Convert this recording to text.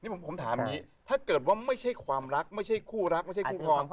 ผมถามอย่างนี้ถ้าเกิดว่าไม่ใช่ความรักไม่ใช่คู่รักไม่ใช่คู่ครอง